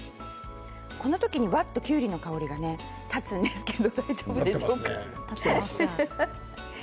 このときにきゅうりの香りが立つんですけれど大丈夫でしょうか。